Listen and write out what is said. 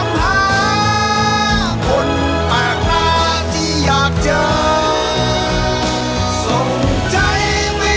จะพาน้องออกมา